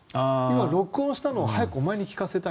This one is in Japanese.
録音したのを早くお前に聞かせたい。